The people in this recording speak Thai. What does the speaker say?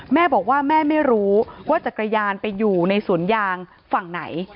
แม่บอกว่าแม่ไม่รู้ว่าจักรยานไปอยู่ในสวนยางฝั่งไหน